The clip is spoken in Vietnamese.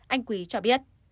anh quý cho biết